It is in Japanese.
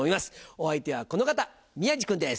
お相手はこの方宮治君です。